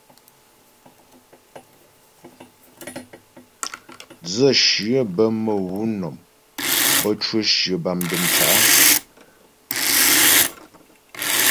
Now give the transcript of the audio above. Dzə̌shyə bə́ mə̌ wǔ nɔm, bə́ cwə shyə bâ dəm cǎ'.